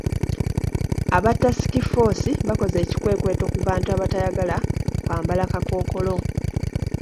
Aba tasiki ffoosi bakoze ekikwekweto ku bantu abatayagala kwambala kakookolo.